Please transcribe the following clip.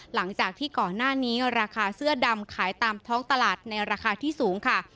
หลังจากที่ก่อนหน้านี้ราคาเสื้อดำขายตามท้องตลาดในราคาที่สูงค่ะ